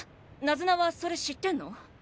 ナズナはそれ知ってんの？